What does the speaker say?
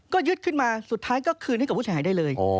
ก็ยึดขึ้นมาสุดท้ายก็คืนให้กับผู้เสียหายได้เลย